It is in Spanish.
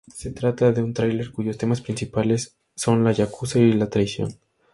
Se trata de un thriller cuyos temas principales son la yakuza y la traición.